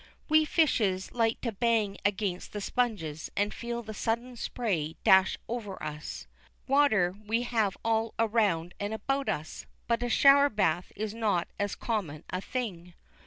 We fishes like to bang against the sponges and feel the sudden spray dash over us. Water we have all around and about us, but a shower bath is not as common a thing.